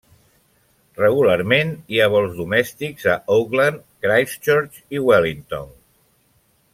Regularment hi ha vols domèstics a Auckland, Christchurch i Wellington.